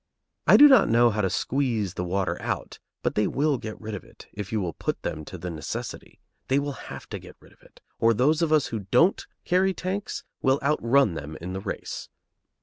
I do not know how to squeeze the water out, but they will get rid of it, if you will put them to the necessity. They will have to get rid of it, or those of us who don't carry tanks will outrun them in the race.